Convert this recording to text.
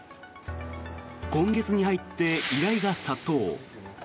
今月に入って依頼が殺到。